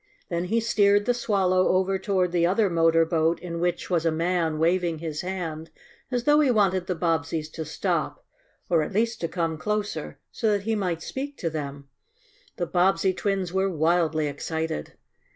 Then he steered the Swallow over toward the other motor boat in which was a man waving his hand, as though he wanted the Bobbseys to stop, or at least to come closer, so that he might speak to them. The Bobbsey twins were wildly excited.